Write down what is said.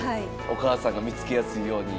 お母さんが見つけやすいように。